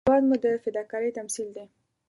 هېواد مو د فداکارۍ تمثیل دی